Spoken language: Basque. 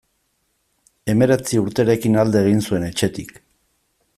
Hemeretzi urterekin alde egin zuen etxetik.